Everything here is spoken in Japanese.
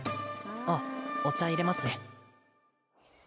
あっお茶入れますね